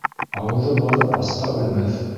Ауыҙы бар асҡа үлмәҫ.